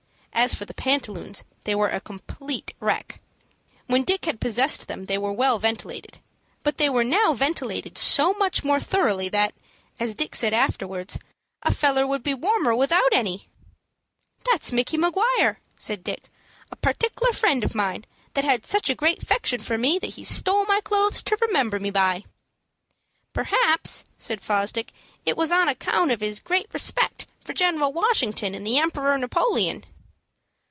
As for the pantaloons, they were a complete wreck. When Dick had possessed them they were well ventilated; but they were now ventilated so much more thoroughly that, as Dick said afterwards, "a feller would be warmer without any." "That's Micky Maguire," said Dick; "a partic'lar friend of mine, that had such a great 'fection for me that he stole my clothes to remember me by." "Perhaps," said Fosdick, "it was on account of his great respect for General Washington and the Emperor Napoleon."